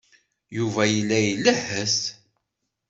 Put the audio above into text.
Yuba yella ilehhet.